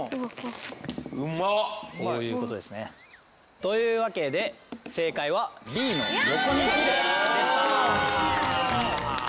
こういうことですね。というわけで正解はＢの横に切るでした。